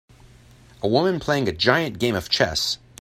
A woman playing a giant game of chess.